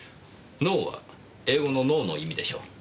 「ノ」は英語の「ノー」の意味でしょう。